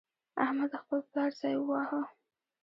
احمد د خپل پلار ځای وواهه.